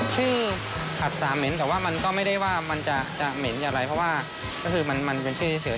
ชื่อผัดสามเหม็นแต่ว่ามันก็ไม่ได้ว่ามันจะเหม็นอย่างไรเพราะว่าก็คือมันเป็นชื่อเฉย